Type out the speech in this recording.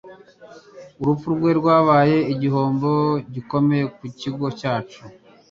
Urupfu rwe rwabaye igihombo gikomeye ku kigo cyacu.